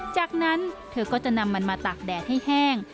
จากนั้นเธอก็จะนำมันมาตากแดดให้แห้ง